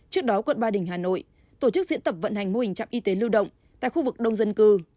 trước đó quận ba đình hà nội tổ chức diễn tập vận hành mô hình trạm y tế lưu động tại khu vực đông dân cư